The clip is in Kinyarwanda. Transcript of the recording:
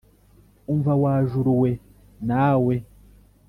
Umvah wa juru we nawe